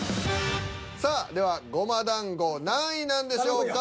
さあではごま団子何位なんでしょうか。